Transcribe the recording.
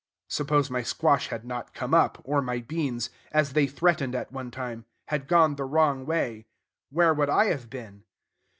(Suppose my squash had not come up, or my beans as they threatened at one time had gone the wrong way: where would I have been?)